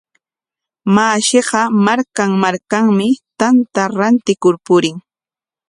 Mashiqa markan markanmi tanta rantikur purin.